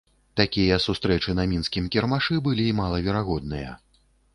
Такія сустрэчы на мінскім кірмашы былі малаверагодныя.